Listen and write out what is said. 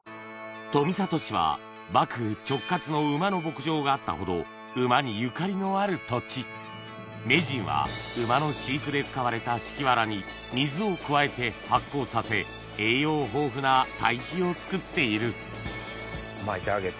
富里市は幕府直轄の馬の牧場があったほど馬にゆかりのある土地名人は馬の飼育で使われた敷き藁に水を加えて発酵させ栄養豊富な堆肥を作っているまいてあげて。